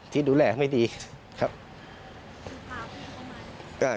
ที่ดูแลไม่ดีครับ